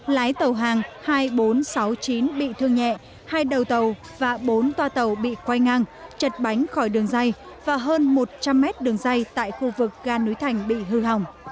lái tàu hàng hai nghìn bốn trăm sáu mươi chín bị thương nhẹ hai đầu tàu và bốn toa tàu bị quay ngang chật bánh khỏi đường dây và hơn một trăm linh mét đường dây tại khu vực ga núi thành bị hư hỏng